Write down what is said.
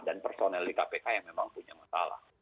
dan personel di kpk yang memang punya masalah